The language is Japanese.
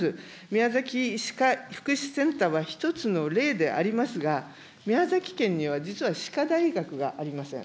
宮崎歯科福祉センターは１つの例でありますが、宮崎県には、実は歯科大学がありません。